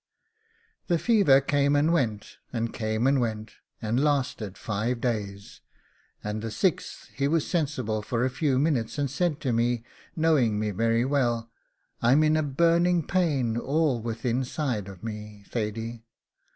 The fever came and went, and came and went, and lasted five days, and the sixth he was sensible for a few minutes, and said to me, knowing me very well, 'I'm in a burning pain all withinside of me, Thady.